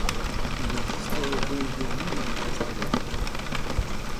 Il existerait donc des lunes interstellaires.